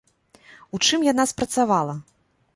У чым яна спрацавала?